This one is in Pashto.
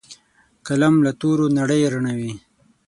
قلم له تورو نړۍ رڼوي